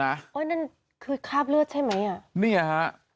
นั่นคือคราบเลือดใช่ไหมอ่ะเนี่ยฮะ